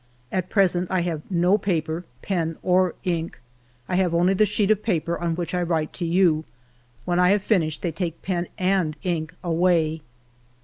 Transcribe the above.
... At present I have no paper, pen, or ink. I have only the sheet of paper on which I write to you ; when I have finished they take pen and ink away.